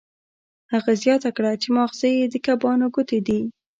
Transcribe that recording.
هغه زیاته کړه چې ماغزه یې د کبانو ګوتې دي